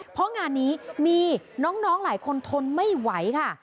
เพราะงานนี้มีน้องหลายคนทนไม่ไหวค่ะ